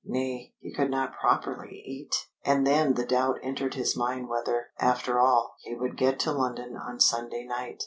Nay, he could not properly eat! And then the doubt entered his mind whether, after all, he would get to London on Sunday night.